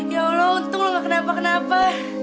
ya allah untung loh gak kenapa kenapa